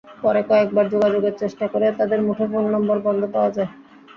পরে কয়েকবার যোগাযোগের চেষ্টা করেও তাঁদের মুঠোফোন নম্বর বন্ধ পাওয়া যায়।